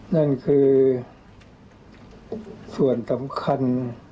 นั่นคือส่วนสำคัญ